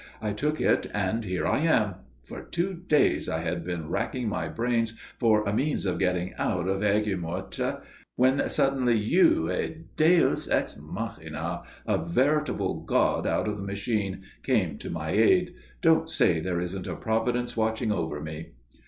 I took it, and here I am! For two days I had been racking my brains for a means of getting out of Aigues Mortes, when suddenly you a Deus ex machina a veritable god out of the machine come to my aid. Don't say there isn't a Providence watching over me."